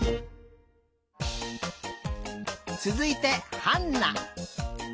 つづいてハンナ。